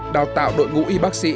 đào tạo đội ngũ y bác sĩ